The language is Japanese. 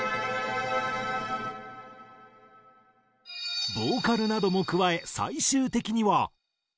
そしてボーカルなども加え最終的には。